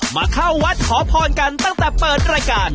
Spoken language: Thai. มาเข้าวัดขอพรกันตั้งแต่เปิดรายการ